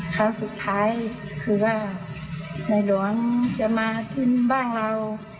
ครั้งสุดท้ายคือว่าในหลวงจะมาขึ้นบ้านเรา